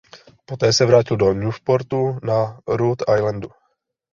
Poté se vrátil do Newportu na Rhode Islandu.